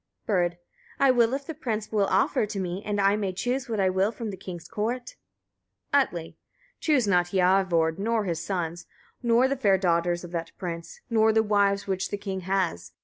Bird. I will if the prince will offer to me, and I may choose what I will from the king's court. Atli. 3. Choose not Hiorvard nor his sons, nor the fair daughters of that prince, nor the wives which the king has.